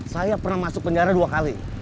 saya pernah masuk penjara dua kali